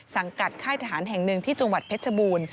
กับค่ายทหารแห่งหนึ่งที่จังหวัดเพชรบูรณ์